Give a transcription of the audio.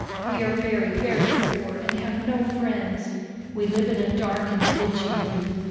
We are very, very poor, and have no friends. We live in a dark and dingy room.